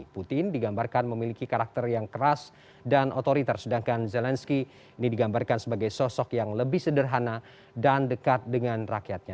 putin digambarkan memiliki karakter yang keras dan otoriter sedangkan zelensky ini digambarkan sebagai sosok yang lebih sederhana dan dekat dengan rakyatnya